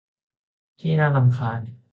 ที่น่ารำคาญ